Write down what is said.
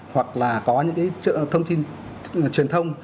hoặc là có những cái thông tin truyền thông